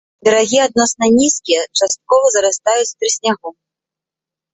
Берагі адносна нізкія, часткова зарастаюць трыснягом.